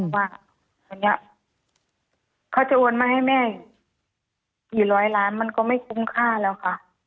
เพราะว่าอย่างนี้เขาจะโอนมาให้แม่ผีร้อยล้านมันก็ไม่คุ้มค่าแล้วคะ